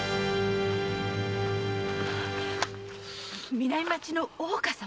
南町の大岡様？